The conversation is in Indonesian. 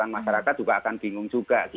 masyarakat juga akan bingung juga